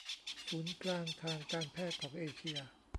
ศูนย์กลางทางการแพทย์ของเอเชีย